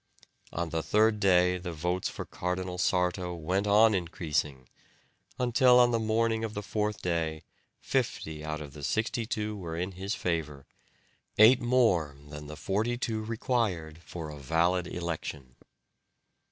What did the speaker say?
On the third day the votes for Cardinal Sarto went on increasing, until on the morning of the fourth day fifty out of the sixty two were in his favour, eight more than the forty two required for a valid election.